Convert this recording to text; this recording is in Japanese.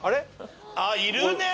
あっいるねぇ。